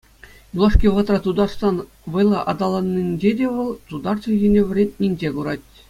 Юлашки вӑхӑтра Тутарстан вӑйлӑ аталаннинче те вӑл тутар чӗлхине вӗрентнинче курать.